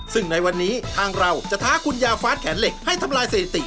ซึ่งในวันนี้ทางเราจะท้าคุณยาฟ้าแขนเหล็กให้ทำลายสถิติ